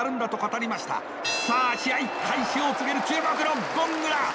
さあ試合開始を告げる注目のゴングだ！